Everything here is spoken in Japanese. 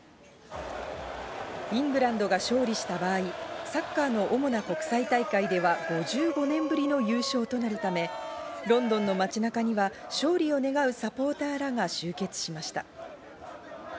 イングランドが勝利した場合、サッカーの主な国際大会では５５年ぶりの優勝となるため、ロンドンの街中には勝利を願うサポーターらが集結しました。